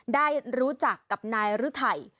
ได้รู้จักกับนายฤทัย